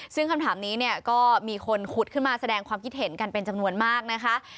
ซึ่งคำถามนี้เนี่ยก็มีคนขุดขึ้นมาแสดงความคิดเห็นกันเป็นจำนวนมากนะคะ